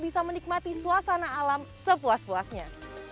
bisa menikmati suasana alam sepuas puasnya